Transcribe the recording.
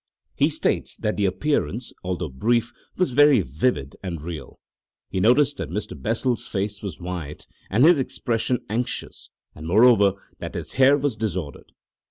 He states that the appearance, although brief, was very vivid and real. He noticed that Mr. Bessel's face was white and his expression anxious, and, moreover, that his hair was disordered.